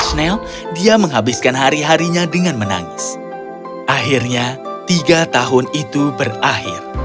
snel dia menghabiskan hari harinya dengan menangis akhirnya tiga tahun itu berakhir